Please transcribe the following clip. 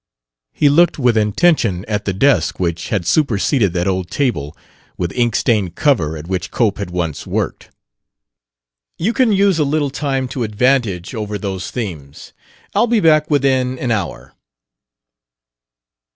He looked with intention at the desk which had superseded that old table, with ink stained cover, at which Cope had once worked. "You can use a little time to advantage over those themes. I'll be back within an hour."